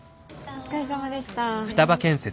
お疲れさまです。